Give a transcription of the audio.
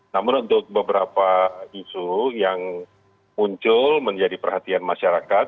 namun untuk beberapa isu yang muncul menjadi perhatian masyarakat